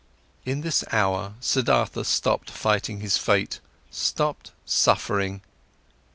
In this hour, Siddhartha stopped fighting his fate, stopped suffering.